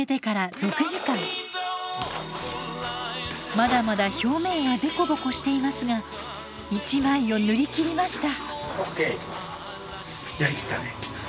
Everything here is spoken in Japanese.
まだまだ表面はデコボコしていますが一枚を塗りきりました。